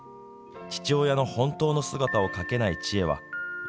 父親の本当の姿を書けないチエはう